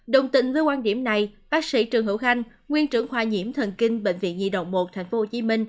đồng tình với quan điểm này bác sĩ trường hữu khanh nguyên trưởng khoa nhiễm thần kinh bệnh viện di động một tp hcm